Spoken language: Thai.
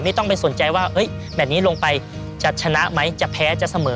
ไม่ต้องไปสนใจว่าแมทนี้ลงไปจะชนะไหมจะแพ้จะเสมอ